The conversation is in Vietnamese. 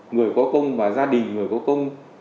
người có công và gia đình người có công